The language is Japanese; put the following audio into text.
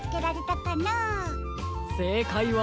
せいかいは。